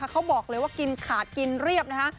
เขาบอกเลยว่ากินขาดกินเรียบนะคะ